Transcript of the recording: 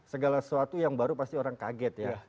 segala sesuatu yang baru pasti orang kaget ya